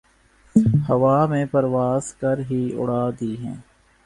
ہوا میں پرواز کر ہی اڑا دی ہیں